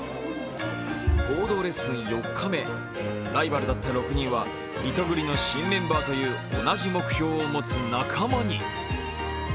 合同レッスン４日目、ライバルだった６人はリトグリの新メンバーという同じ目標を持つ仲間に。